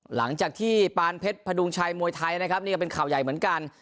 หลังจากที่ปานเพชรพดุงชัยมวยไทยนะครับนี่ก็เป็นข่าวใหญ่เหมือนกัน